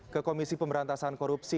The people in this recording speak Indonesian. ke komisi pemberantasan korupsi